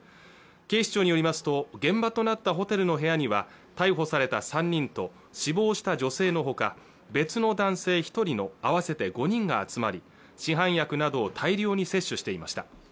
警視庁によりますと現場となったホテルの部屋には逮捕された３人と死亡した女性のほか別の男性一人の合わせて５人が集まり市販薬などを大量に摂取していました